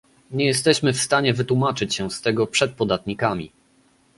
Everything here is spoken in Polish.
Nie jesteśmy w stanie wytłumaczyć się z tego przed podatnikami